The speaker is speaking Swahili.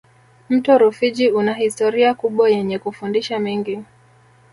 mto rufiji una historia kubwa yenye kufundisha mengi